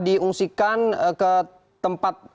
diungsikan ke tempat